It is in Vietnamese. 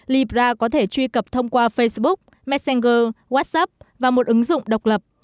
libra có thể truy cập thông qua facebook messenger whatsapp và một ứng dụng độc lập